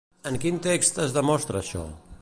En quin text es demostra això?